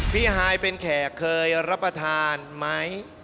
ฮายเป็นแขกเคยรับประทานไหม